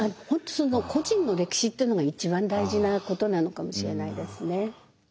本当個人の歴史っていうのが一番大事なことなのかもしれないですね。